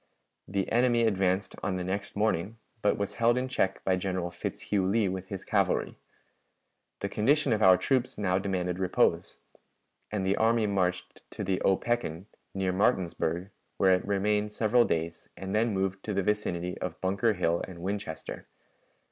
The enemy advanced on the next morning, but was held in check by General Fitzhugh Lee with his cavalry. The condition of our troops now demanded repose, and the army marched to the Opequan, near Martinsburg, where it remained several days, and then moved to the vicinity of Bunker Hill and Winchester.